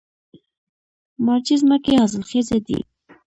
مارجې ځمکې حاصلخیزه دي؟